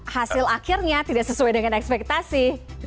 hasil akhirnya tidak sesuai dengan ekspektasi